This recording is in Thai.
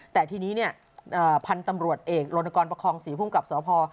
แต่ทีนี้เนี่ยพันธุ์ตำรวจเอกลนกรประคองศรีภูมิกับสพ